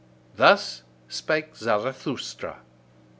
Thus spake Zarathustra.